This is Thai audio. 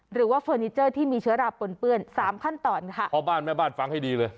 เฟอร์นิเจอร์ที่มีเชื้อราปนเปื้อนสามขั้นตอนค่ะพ่อบ้านแม่บ้านฟังให้ดีเลย